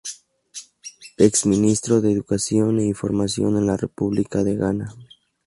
Ex ministro de Educación e Información en la República de Ghana.